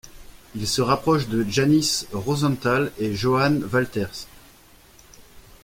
Il se rapproche de Janis Rozentāls et Johans Valters.